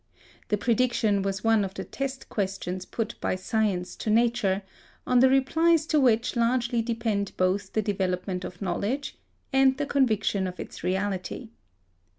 The prediction was one of the test questions put by Science to Nature, on the replies to which largely depend both the development of knowledge and the conviction of its reality.